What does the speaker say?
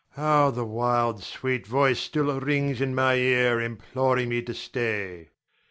How the wild, sweet voice still rings in my ear imploring me to stay.